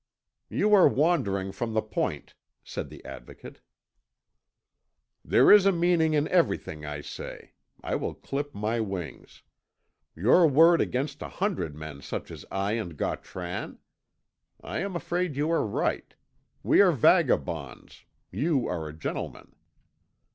"You are wandering from the point," said the Advocate. "There is a meaning in everything I say; I will clip my wings. Your word against a hundred men such as I and Gautran? I am afraid you are right. We are vagabonds you are a gentleman.